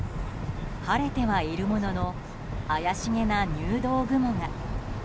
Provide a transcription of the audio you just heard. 晴れてはいるものの怪しげな入道雲が。